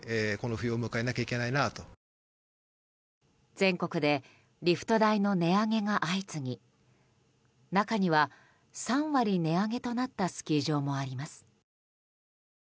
全国でリフト代の値上げが相次ぎ中には３割値上げとなったスキー場もあります。